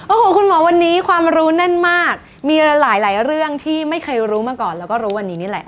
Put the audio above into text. โอ้โหคุณหมอวันนี้ความรู้แน่นมากมีหลายหลายเรื่องที่ไม่เคยรู้มาก่อนแล้วก็รู้วันนี้นี่แหละ